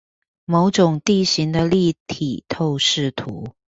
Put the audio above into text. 某種地形的立體透視圖